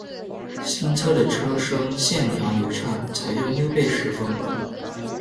新车的车身线条流畅，采用溜背式风格